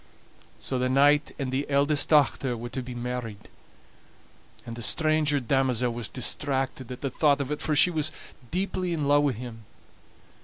So the knight and the eldest dochter were to be married, and the stranger damosel was distracted at the thought of it, for she was deeply in love wi' him.